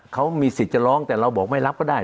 เขามีสิทธิ์จะร้องแต่เราบอกไม่รับก็ได้